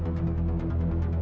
aku mau ke rumah